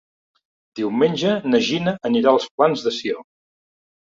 Diumenge na Gina anirà als Plans de Sió.